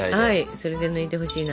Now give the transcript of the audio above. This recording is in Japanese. それで抜いてほしいな。